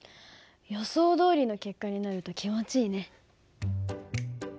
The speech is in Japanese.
予想どおりの結果になると気持ちいいね。